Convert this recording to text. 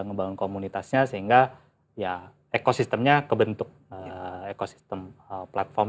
ngebangun komunitasnya sehingga ya ekosistemnya kebentuk ekosistem platform